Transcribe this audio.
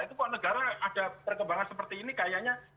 itu kok negara ada perkembangan seperti ini kayaknya